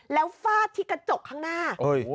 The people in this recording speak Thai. แล้วฟาดที่กระจกข้างหน้า